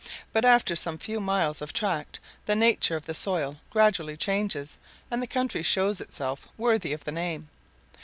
But after some few miles of tract the nature of the soil gradually changes and the country shows itself worthy of the name.